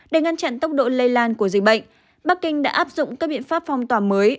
để ngăn chặn tốc độ lây lan của dịch bệnh bắc kinh đã áp dụng các biện pháp phong tỏa mới